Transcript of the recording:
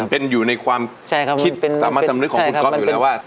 เป็นอยู่ในความคิดเป็นสามารถสำนึกของคุณก๊อฟอยู่แล้วว่า